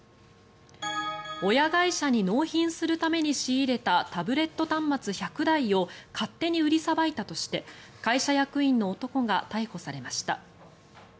親会社に納品するために仕入れたタブレット端末１００台を勝手に売りさばいたとして会社役員の男が逮捕されました。